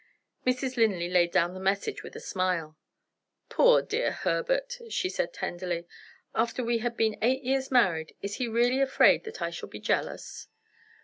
Mrs. Linley laid down the message, with a smile. "Poor dear Herbert!" she said tenderly. "After we have been eight years married, is he really afraid that I shall be jealous?